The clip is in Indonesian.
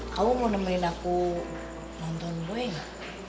kamu mau nemerin aku nonton boy ya